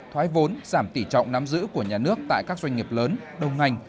thoái vốn giảm tỷ trọng nắm giữ của nhà nước tại các doanh nghiệp lớn đầu ngành